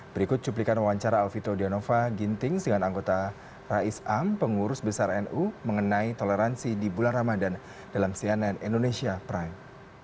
berikut cuplikan wawancara alvito dianova ginting dengan anggota rais am pengurus besar nu mengenai toleransi di bulan ramadan dalam cnn indonesia prime